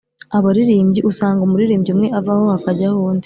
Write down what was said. abaririmbyi usanga umuririmbyi umwe avaho hakajyaho undi